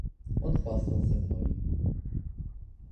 Он хвастался мной.